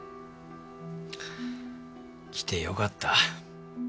来てよかった。